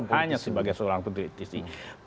hanya sebagai seorang politisi